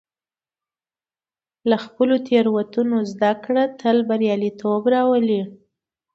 له خپلو تېروتنو زده کړه تل بریالیتوب راولي.